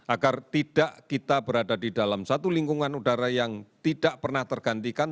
agar tidak kita berada di dalam satu lingkungan udara yang tidak pernah tergantikan